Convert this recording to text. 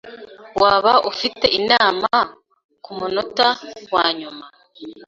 Waba ufite inama kumunota wanyuma?